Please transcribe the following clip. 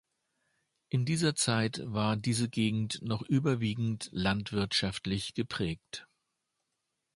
In dieser Zeit war diese Gegend noch überwiegend landwirtschaftlich geprägt.